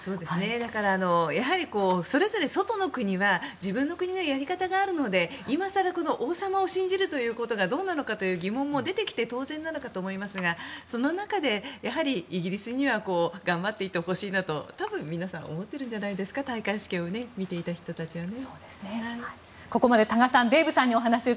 やはりそれぞれ外の国は自分の国のやり方があるので今更、王様を信じるということがどうなのかという疑問も出てきて当然なのかと思いますがその中でやはりイギリスには頑張っていてほしいなと多分皆さん思っているんじゃないですか戴冠式を見ていた人たちはね。